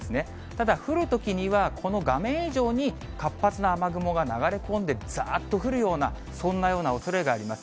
ただ降るときには、この画面以上に活発な雨雲が流れ込んで、ざーっと降るような、そんなようなおそれがあります。